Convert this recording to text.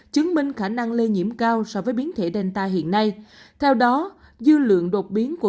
chứng minh khả năng lây nhiễm cao so với biến thể danta hiện nay theo đó dư lượng đột biến của